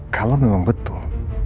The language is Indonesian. kalau memang betul